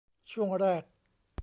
ช่วงแรก